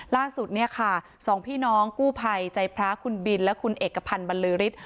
ล่าสุดสองพี่น้องกู้ภัยใจพระคุณบินและคุณเอกพันธ์บรรลือริฐ